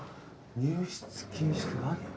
入室禁止って何？